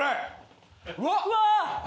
うわ！